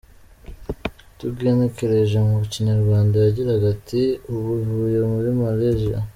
Tugenekereje mu Kinyarwanda yagiraga ati “ Ubu ivuye muri Malaysia.